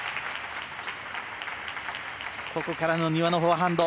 ここからの丹羽のフォアハンド。